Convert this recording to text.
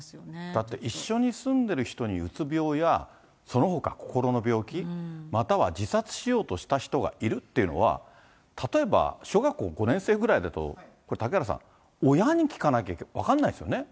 だって一緒に住んでいる人にうつ病やそのほか心の病気、または自殺しようとした人がいるっていうのは、例えば小学校５年生ぐらいだと、これ、嵩原さん、親に聞かなきゃ分からないですよね。